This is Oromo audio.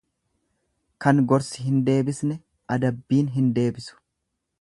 Kan gorsi hin deebisne adabbiin hin deebisu.